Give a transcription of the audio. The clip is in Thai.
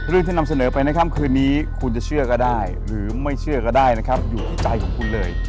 ที่นำเสนอไปในค่ำคืนนี้คุณจะเชื่อก็ได้หรือไม่เชื่อก็ได้นะครับอยู่ในใจของคุณเลย